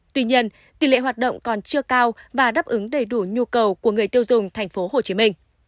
tuy nhiên tỷ lệ hoạt động còn chưa cao và đáp ứng đầy đủ nhu cầu của người tiêu dùng tp hcm